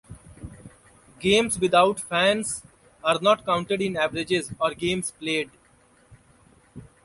Games without fans are not counted in averages or games played.